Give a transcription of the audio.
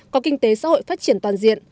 có kinh tế xã hội phát triển toàn diện